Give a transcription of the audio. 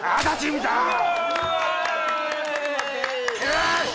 よし！